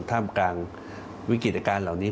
ท่ามกลางวิกฤตการณ์เหล่านี้